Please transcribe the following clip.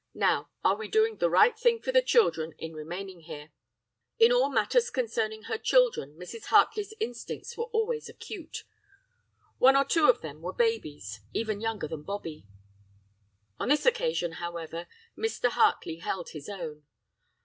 Now, are we doing the right thing for the children in remaining here?' "In all matters concerning her children Mrs. Hartley's instincts were always acute one or two of them were babies, even younger than Bobbie. "On this occasion, however, Mr. Hartley held his own.